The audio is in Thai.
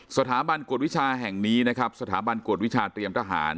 สถาบันกวดวิชาแห่งนี้นะครับสถาบันกวดวิชาเตรียมทหาร